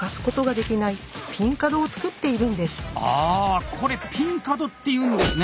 あこれ「ピン角」っていうんですね！